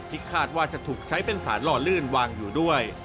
คาดว่าจะถูกใช้เป็นสารหล่อลื่นวางอยู่ด้วย